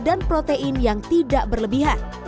protein yang tidak berlebihan